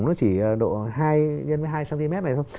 nó chỉ độ hai x hai cm này thôi